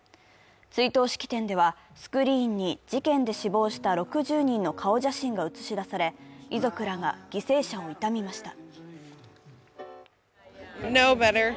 追悼式典では、スクリーンに事件で死亡した６０人の顔写真が写し出され、遺族らが犠牲者を悼みました。